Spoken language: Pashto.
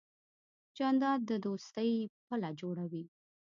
جانداد د دوستۍ پله جوړوي.